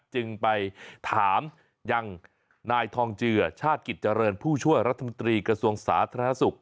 จึงไปถามยังนายทองเจือชาติกิจเจริญผู้ช่วยรัฐมนตรีกระทรวงสาธารณสุข